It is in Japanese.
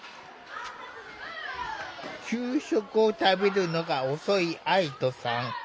給食を食べるのが遅い愛土さん。